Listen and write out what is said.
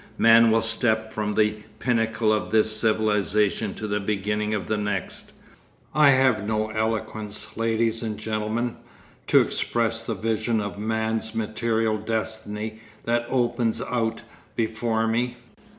Man will step from the pinnacle of this civilisation to the beginning of the next. I have no eloquence, ladies and gentlemen, to express the vision of man's material destiny that opens out before me.